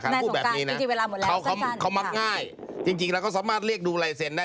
คือธนาคารถ้าเป็นธนาคารพูดแบบนี้นะเขามักง่ายจริงแล้วก็สามารถเรียกดูไลเซ็นต์ได้